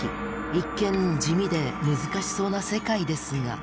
一見地味で難しそうな世界ですが。